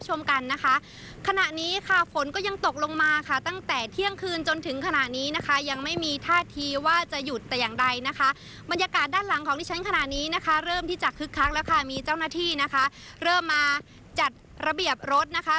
เชิญคุณวัชรีอีกครั้งหนึ่งนะเชิญครับ